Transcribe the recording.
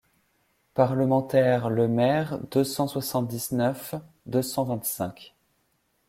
Parlementaires Lemaire deux cent soixante-dix-neuf deux cent vingt-cinq.